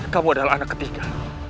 kamu adalah anak ketiga